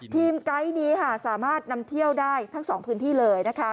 ไกด์นี้ค่ะสามารถนำเที่ยวได้ทั้งสองพื้นที่เลยนะคะ